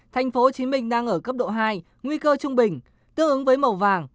tp hcm đang ở cấp độ hai nguy cơ trung bình tương ứng với màu vàng